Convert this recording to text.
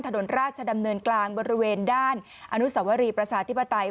ถนนราชดำเนินกลางบริเวณด้านอนุสวรีประชาธิปไตย